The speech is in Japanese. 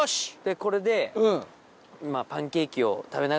これで。